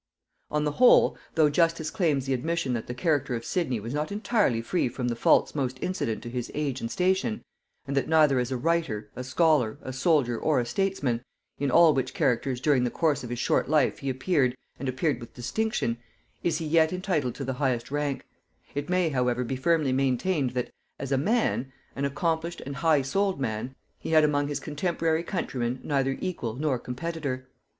On the whole, though justice claims the admission that the character of Sidney was not entirely free from the faults most incident to his age and station, and that neither as a writer, a scholar, a soldier, or a statesman, in all which characters during the course of his short life he appeared, and appeared with distinction, is he yet entitled to the highest rank; it may however be firmly maintained that, as a man, an accomplished and high souled man, he had among his contemporary countrymen neither equal nor competitor.